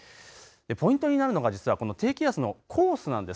ポイントになるのが実はこの低気圧のコースなんです。